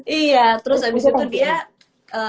iya terus abis itu dia